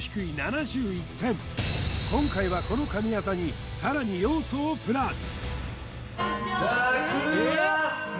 今回はこの神業にさらに要素をプラス！